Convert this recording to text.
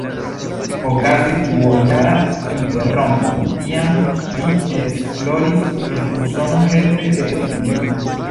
Okazis dujara interrompo, tiam li esploris en Usono helpe de stipendio.